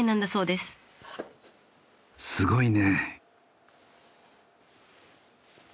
すごいね。